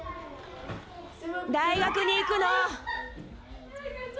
大学に行くの。